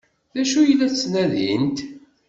D acu ay la ttnadint?